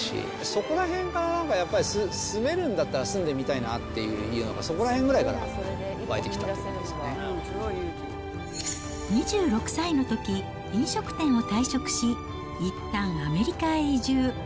そこらへんからなんか、やっぱり住めるんだったら、住んでみたいなっていうのが、そこらへんぐらいから湧いてきたっ２６歳のとき、飲食店を退職し、いったんアメリカへ移住。